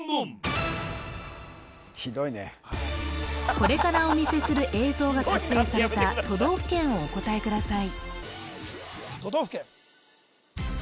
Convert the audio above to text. ひどいねこれからお見せする映像が撮影された都道府県をお答えください